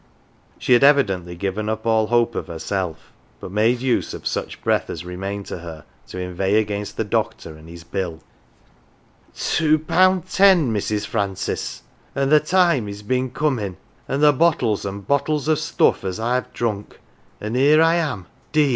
She had evidently given up all hope of herself, but made use of such breath as remained to her to inveigh against the doctor and his bill. " Two pound ten, Mrs. Francis ! An 1 the time he's been coming an" 1 the bottles an" 1 bottles of stuff as I've drunk an 1 here I am, deem 1